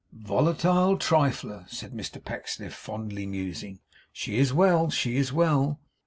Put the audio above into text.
'Volatile trifler!' said Mr Pecksniff, fondly musing. 'She is well, she is well.